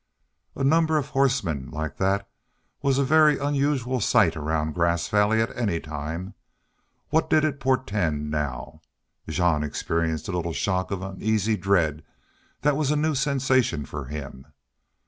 A number of horsemen like that was a very unusual sight around Grass Valley at any time. What then did it portend now? Jean experienced a little shock of uneasy dread that was a new sensation for him.